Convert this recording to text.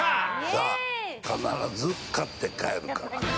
さあ、必ず勝って帰るから。